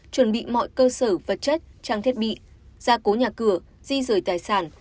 chuẩn bị mọi cơ sở vật chất trang thiết bị gia cố nhà cửa di rời tài sản